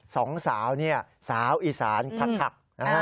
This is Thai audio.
สองสาวเนี่ยสาวอิสานพัก